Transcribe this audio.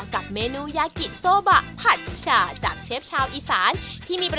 ครับผม